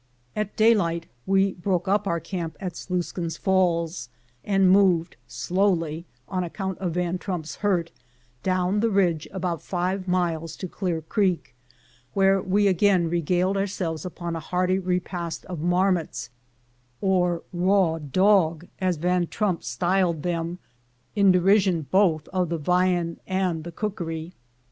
At daylight we broke up our camp at §luiskin*s Falls, and moved slowlv, on account of Van Trump's hurt, down the ridge about five miles to Clear Creek, where we again regaled ourselves upon a hearty repast of mar mots, or "raw dog, as Van Trump styled them in derision both of the viand and of the cookery.